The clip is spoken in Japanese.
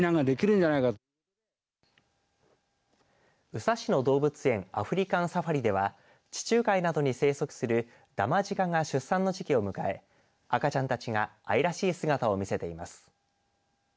宇佐市の動物園アフリカンサファリでは地中海などに生息するダマジカが出産の時期を迎え赤ちゃんたちが愛らしい姿を見せています。